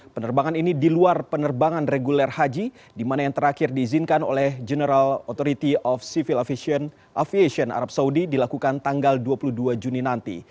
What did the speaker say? penerbangan ini di luar penerbangan reguler haji di mana yang terakhir diizinkan oleh general authority of civil aviation arab saudi dilakukan tanggal dua puluh dua juni nanti